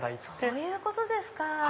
そういうことですか！